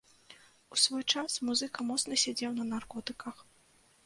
У свой час музыка моцна сядзеў на наркотыках.